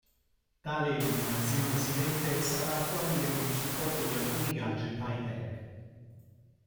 Tale eliminazione silente sarà attuabile con il supporto di alcuni gadget hi-tech.